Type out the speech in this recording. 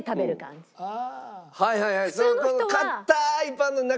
はいはいはい！